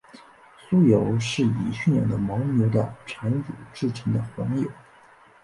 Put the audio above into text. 酥油是以驯养的牦牛的产乳制成的黄油。